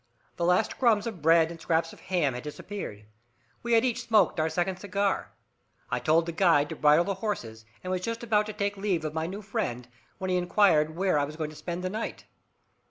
The last crumbs of bread and scraps of ham had disappeared. We had each smoked our second cigar; I told the guide to bridle the horses, and was just about to take leave of my new friend, when he inquired where I was going to spend the night.